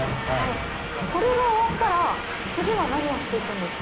これが終わったら次は何をして行くんですか？